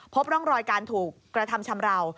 พบร่องรอยการถูกกระทำชำราว